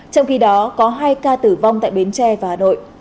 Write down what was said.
trong khi đó có hai ca tử vong tại bến tre và hà nội